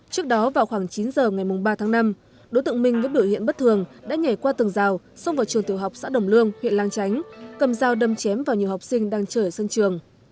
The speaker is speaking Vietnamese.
trước đó vào khoảng chín giờ ngày ba tháng năm đỗ tượng minh với đội hiện bất thường đã nhảy qua tường rào xông vào trường tiểu học xã đồng lương huyện lăng chánh cầm rào đâm chém vào nhiều học sinh đang chờ ở sân trường